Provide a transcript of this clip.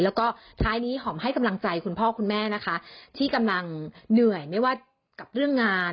แล้วก็ท้ายนี้หอมให้กำลังใจคุณพ่อคุณแม่นะคะที่กำลังเหนื่อยไม่ว่ากับเรื่องงาน